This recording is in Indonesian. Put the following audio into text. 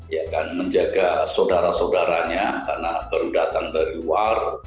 ya kan menjaga saudara saudaranya karena baru datang dari luar